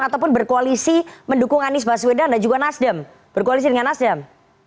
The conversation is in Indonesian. ataupun berkoalisi mendukung anies baswedan dan juga nasdem berkoalisi dengan nasdem